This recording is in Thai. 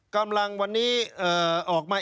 กำลังวันนี้ออกมา